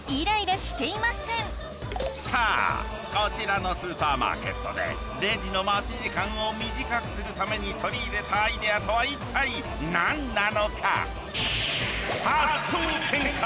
さあこちらのスーパーマーケットでレジの待ち時間を短くするために取り入れたアイデアとは一体何なのか？